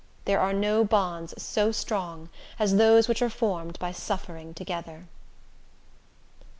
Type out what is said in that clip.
There are no bonds so strong as those which are formed by suffering together.